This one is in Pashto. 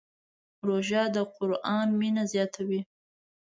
روژه د قرآن مینه زیاتوي.